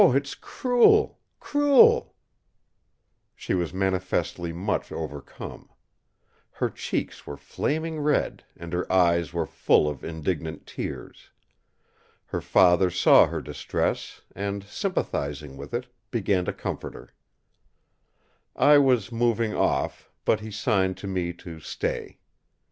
it's cruel, cruel!" She was manifestly much overcome. Her cheeks were flaming red, and her eyes were full of indignant tears. Her father saw her distress; and, sympathising with it, began to comfort her. I was moving off; but he signed to me to stay.